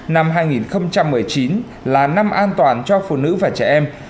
năm hai nghìn một mươi chín là năm an toàn cho phụ nữ và trẻ em